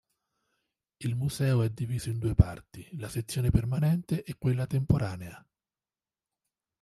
Il museo è diviso in due parti: la sezione permanente e quella temporanea.